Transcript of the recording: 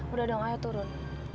udah dong ayo turun